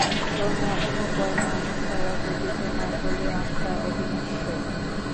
কোন অণুপরমাণুর দ্বারা গঠিত নয় বলিয়া আত্মা অবিনশ্বর।